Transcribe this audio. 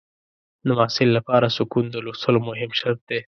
د محصل لپاره سکون د لوستلو مهم شرط دی.